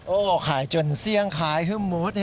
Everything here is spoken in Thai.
โอ้โฮขายจนเสี้ยงขายหึมมุด